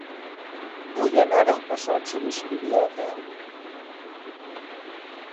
Vull anar al passatge d'Espíria a peu.